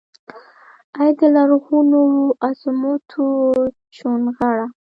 ای دلرغونوعظمتوچونغره!